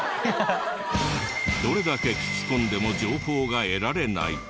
どれだけ聞き込んでも情報が得られない。